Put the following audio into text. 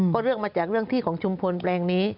ก็เรื่องมาจากเรื่องที่ของชุมพลแปลงนี้